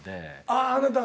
あああなたが。